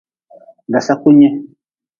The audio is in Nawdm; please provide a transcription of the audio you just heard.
Dasaku nyi.